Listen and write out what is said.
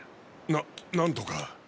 ななんとか。